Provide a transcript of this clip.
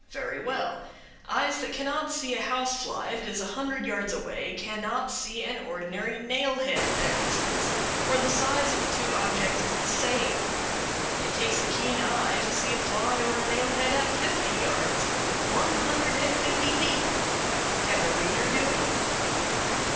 Very well; eyes that cannot see a house fly that is a hundred yards away cannot see an ordinary nailhead at that distance, for the size of the two objects is the same. It takes a keen eye to see a fly or a nailhead at fifty yards one hundred and fifty feet. Can the reader do it?